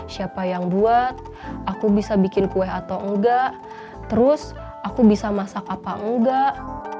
siapa yang buat aku bisa bikin kue atau enggak terus aku bisa masak apa enggak